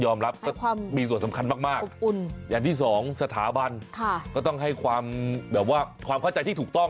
อย่างที่สองสถาบันก็ต้องให้ความเข้าใจที่ถูกต้อง